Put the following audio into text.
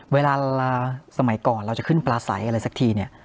เวลาสมัยก่อนเราจะขึ้นปลาใสอะไรสักทีเนี่ย